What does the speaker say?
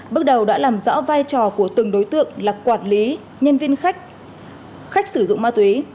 bước đầu đã làm rõ vai trò của từng đối tượng là quản lý nhân viên khách sử dụng ma túy